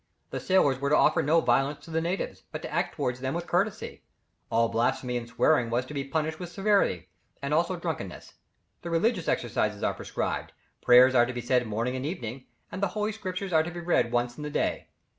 The sailors were to offer no violence to the natives, but to act towards them with courtesy. All blasphemy and swearing was to be punished with severity, and also drunkenness. The religious exercises are prescribed, prayers are to be said morning and evening, and the Holy Scriptures are to be read once in the day.